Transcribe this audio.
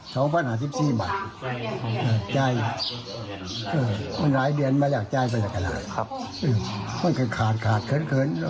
ใจมันหลายเดือนมาแล้วใจไปกันแล้วมันขาดเขิน